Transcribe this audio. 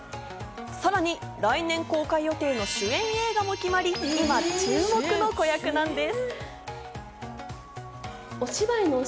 さらに来年公開予定の主演映画も決まり、今、注目の子役なんです。